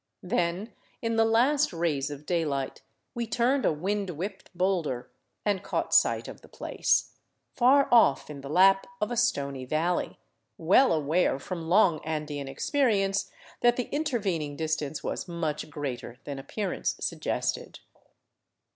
Then, in the last rays of daylight, we turned a wind whipped boulder and caught sight of the place, far off in the lap of a stony valley, well aware from long Andean experience that the intervening distance was much greater than appearance suggested.